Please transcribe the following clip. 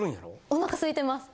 お腹すいてます。